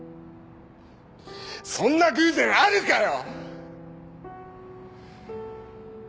そんな偶然あるかよ‼